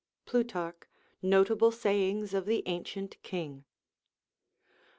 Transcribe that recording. [Plutarch, Notable Sayings of the Ancient King.